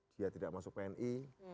dia tidak masuk pni